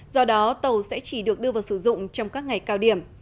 do đó tàu sẽ chỉ được đưa vào sử dụng trong các ngày cao điểm